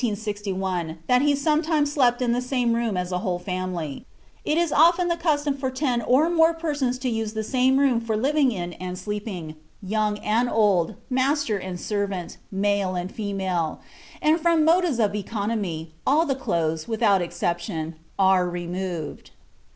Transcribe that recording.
In Iceland, Winkler stated in 1861 that he sometimes slept in the same room as a whole family; "it is often the custom for ten or more persons to use the same room for living in and sleeping, young and old, master and servant, male and female, and from motives of economy, all the clothes, without exception, are removed."